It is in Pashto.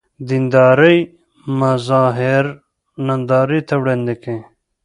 دیندارۍ مظاهر نندارې ته وړاندې کوي.